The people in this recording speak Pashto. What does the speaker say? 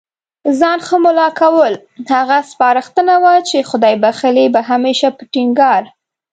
ځان ښه مُلا کول، هغه سپارښتنه وه چي خدای بخښلي به هميشه په ټينګار